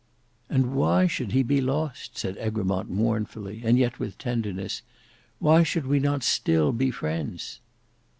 "And why should he be lost?" said Egremont mournfully, and yet with tenderness. "Why should we not still befriends?"